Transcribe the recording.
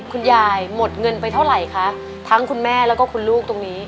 คุณยายหมดเงินไปเท่าไหร่คะทั้งคุณแม่แล้วก็คุณลูกตรงนี้